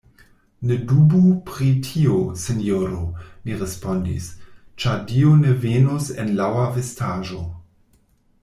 Ne dubu pri tio, sinjoro, mi respondis, Ĉar Dio ne venus en laŭa vestaĵo.